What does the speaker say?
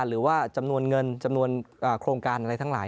หรือว่าจำนวนเงินจำนวนโครงการอะไรทั้งหลาย